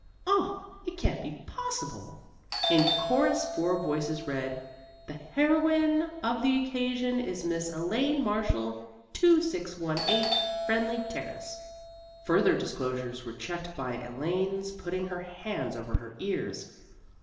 O, it can't be possible." In chorus four voices read, " The heroine of the occasion is Miss Elaine Marshall, 2618 Friendly Terrace." Further disclosures were checked by Elaine's putting her hands over her ears.